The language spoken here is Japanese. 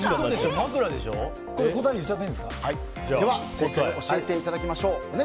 正解を教えていただきましょう。